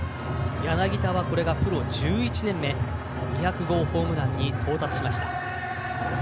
柳田はプロ１１年目２００号ホームランに到達しました。